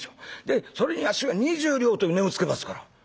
でそれにあっしが２０両という値をつけますから。